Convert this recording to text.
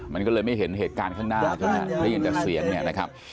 มันก็เลยไม่เห็นเหตุการณ์ข้างหน้าที่มีความยินไปแซม